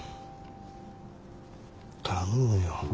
頼むよ。